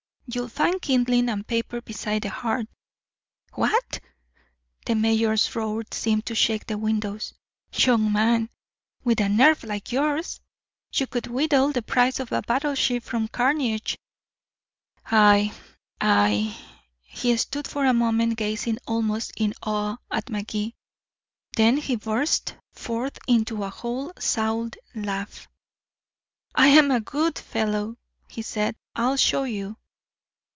You'll find kindling and paper beside the hearth." "What!" The mayor's roar seemed to shake the windows. "Young man, with a nerve like yours, you could wheedle the price of a battleship from Carnegie. I I " He stood for a moment gazing almost in awe at Magee. Then he burst forth into a whole souled laugh. "I am a good fellow," he said. "I'll show you."